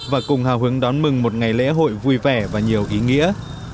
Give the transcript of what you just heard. và cùng hào hứng đón mừng một ngày lễ hội vui vẻ và nhiều ý nghĩa